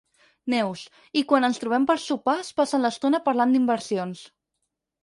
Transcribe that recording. Neus—, i quan ens trobem per sopar es passen l'estona parlant d'inversions.